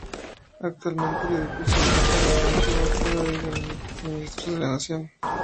Actualmente el edificio aloja a la Jefatura de Gabinete de Ministros de la Nación.